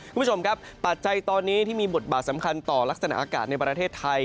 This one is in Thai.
คุณผู้ชมครับปัจจัยตอนนี้ที่มีบทบาทสำคัญต่อลักษณะอากาศในประเทศไทย